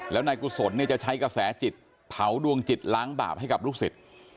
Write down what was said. แล้วนายกุศลจะใช้กระแสจิตเผาดวงจิตล้างบาปให้กับลูกศิษย์